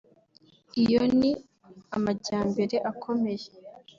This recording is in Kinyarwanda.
(…) ayo ni amajyembere akomeye